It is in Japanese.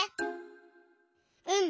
うん。